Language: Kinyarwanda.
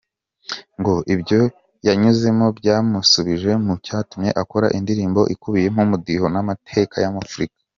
Ngo ibyo yanyuzemo byamusubije mu cyatumye akora indirimbo ikubiyemo umudiho n’amateka ya Afurika.